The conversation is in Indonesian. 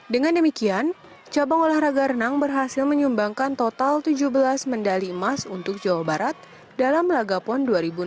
dengan demikian cabang olahraga renang berhasil menyumbangkan total tujuh belas medali emas untuk jawa barat dalam laga pon dua ribu enam belas